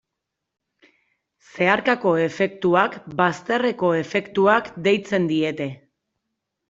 Zeharkako efektuak, bazterreko efektuak, deitzen diete.